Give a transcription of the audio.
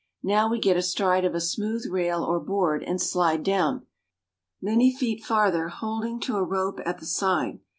Now we get astride of a smooth rail or board and slide down, many feet farther, holding to a rope at the side.